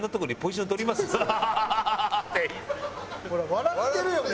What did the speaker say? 笑ってるよね？